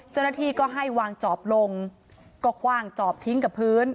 เจ้าหน้าที่ก็ให้วางจอบลงก็คว่างจอบทิ้งกับพื้น